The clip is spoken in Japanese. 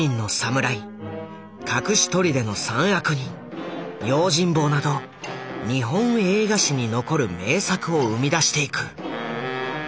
「隠し砦の三悪人」「用心棒」など日本映画史に残る名作を生み出していく。